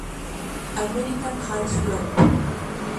American Airlines Group